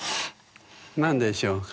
何でしょうか？